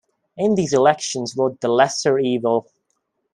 In these elections vote the lesser evil.